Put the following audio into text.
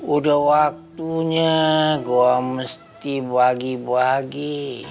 udah waktunya gue mesti bahagi bahagi